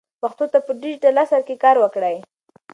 پښتو ته په ډیجیټل عصر کې کار وکړئ.